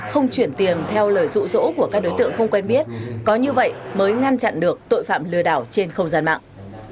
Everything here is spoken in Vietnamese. không chuyển tiền theo lời rụ rỗ của các đối tượng không quen biết có như vậy mới ngăn chặn được tội phạm lừa đảo trên không gian mạng